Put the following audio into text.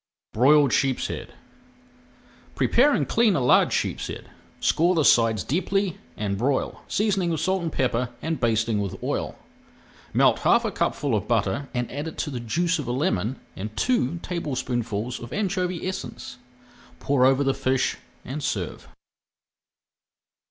[Page 356] BROILED SHEEPSHEAD Prepare and clean a large sheepshead, score the sides deeply, and broil, seasoning with salt and pepper, and basting with oil. Melt half a cupful of butter and add to it the juice of a lemon and two tablespoonfuls of anchovy essence. Pour over the fish and serve.